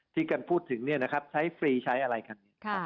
ที่กันพูดถึงเนี่ยนะครับใช้ฟรีใช้อะไรกัน